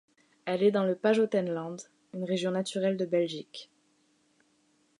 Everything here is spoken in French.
Elle est dans le Pajottenland, une région naturelle de Belgique.